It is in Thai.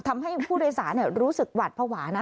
ทำให้ผู้โดยสารรู้สึกหวัดภาวะนะ